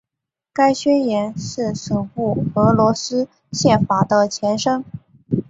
该宣言是首部俄罗斯宪法的前身。